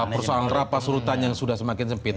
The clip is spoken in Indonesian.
persoalan rapas urutan yang sudah semakin sempit